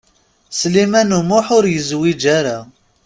Sliman U Muḥ ur yezwiǧ ara.